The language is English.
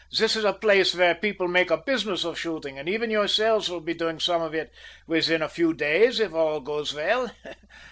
This is a place where people make a business of shooting, and even yourselves will be doing some of it within a few days, if all goes well.